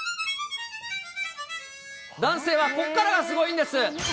男性はここからがすごいんです。